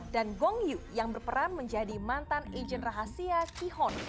dan gong yoo yang berperan menjadi mantan ejen rahasia ki hon